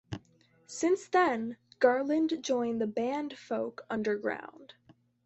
Since then, Garland joined the band Folk UnderGround.